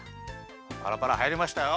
パラパラはいりましたよ。